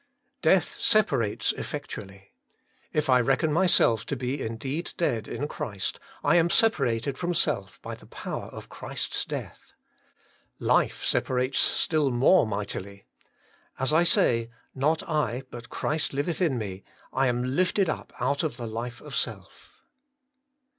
2. Death separates effectually. If I reckon myself to be indeed dead In Christ, I am separated from self by the power of Christ 's death. Life separates still more mightily. As I say, 'Not I, but Christ liueth in me,' I am lifted up out of the life of self.